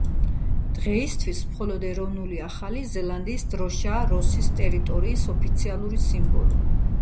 დღეისათვის, მხოლოდ ეროვნული ახალი ზელანდიის დროშაა როსის ტერიტორიის ოფიციალური სიმბოლო.